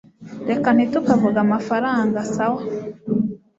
Reka ntitukavuge amafaranga sawa